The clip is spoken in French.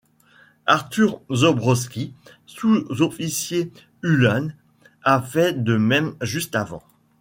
Arthur Zobrowski, sous-officier Uhlan a fait de même juste avant.